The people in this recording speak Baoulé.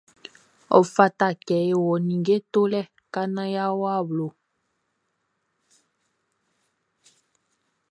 Ɔ fata kɛ e wɔ ninnge tolɛ ka naan yʼa wɔ awlo.